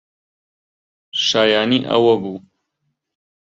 شایەنی ئەوە بوو.